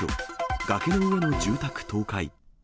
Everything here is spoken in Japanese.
崖の上の住宅倒壊。